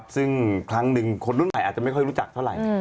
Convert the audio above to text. ซึ่งครั้งหนึ่งคนรุ่นใหม่อาจจะไม่ค่อยรู้จักเท่าไหร่